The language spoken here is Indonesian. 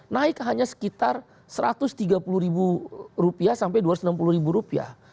naik hanya sekitar satu ratus tiga puluh ribu rupiah sampai dua ratus enam puluh rupiah